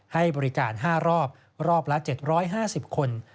ให้บริการ๕รอบรอบละ๗๕๐คน